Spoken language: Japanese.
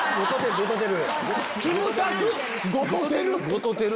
ゴトテル。